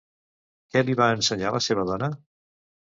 Què li va ensenyar la seva dona?